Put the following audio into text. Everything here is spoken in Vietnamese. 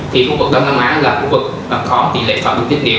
thì khu vực đông nam á là khu vực có tỷ lệ sọ đường tích niệm